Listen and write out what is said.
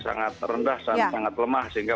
sangat rendah sangat lemah sehingga